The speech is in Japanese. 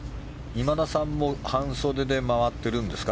今田さんも半袖で回ってるんですか？